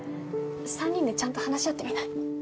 ３人でちゃんと話し合ってみない？